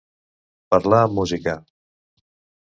Parlar amb música.